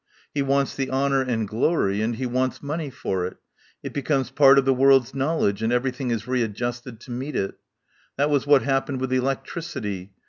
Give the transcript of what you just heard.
He wants the honour and glory, and he wants money for it. It becomes part of the world's knowledge, and everything is readjusted to meet it. That was what happened with elec tricity.